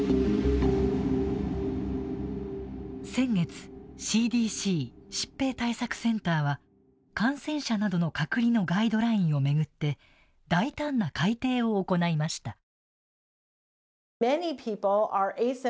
先月ＣＤＣ＝疾病対策センターは感染者などの隔離のガイドラインを巡って大胆な改定を行いました。